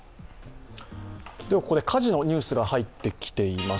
ここで火事のニュースが入ってきています。